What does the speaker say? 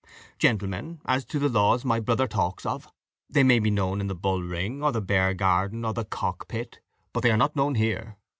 "Gentlemen, as to the laws my brother talks of, they may be known in the bull ring, or the bear garden, or the cockpit, but they are not known here.